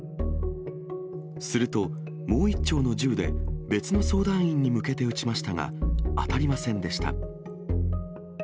すると、もう１丁の銃で別の相談員に向けて撃ちましたが、当たりませんでした。